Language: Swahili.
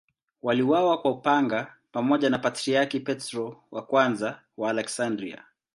Waliuawa kwa upanga pamoja na Patriarki Petro I wa Aleksandria.